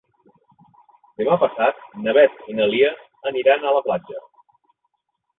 Demà passat na Beth i na Lia aniran a la platja.